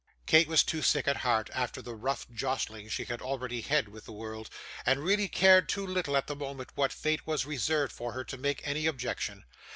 Kate was too sick at heart, after the rough jostling she had already had with the world, and really cared too little at the moment what fate was reserved for her, to make any objection.